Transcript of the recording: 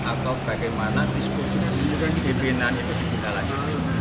atau bagaimana diskusisi pimpinan itu ditelaah lagi